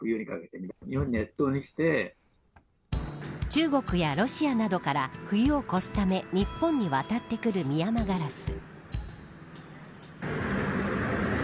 中国やロシアなどから冬を越すため日本に渡ってくるミヤマガラス。